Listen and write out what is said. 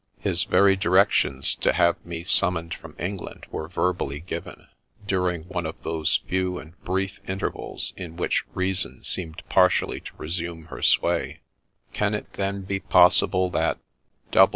His very directions to have me summoned from England were verbally given, during one of those few and brief intervals in which reason seemed partially to resume her sway. Can it then be possible that